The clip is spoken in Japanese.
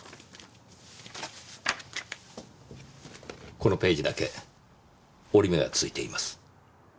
このページだけ折り目がついています。